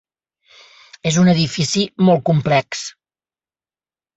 És un edifici molt complex.